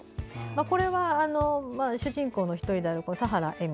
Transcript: これは主人公の１人である砂原江見